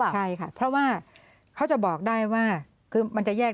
ป๋อตก็จะรั่วอันนั้นคือทำการหักเกิดตอนมีชีวิต